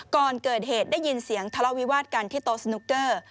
ก่อนเกิดเหตุได้ยินเสียงทะเลาะวิวาดกันที่โต๊ะสนุกเกอร์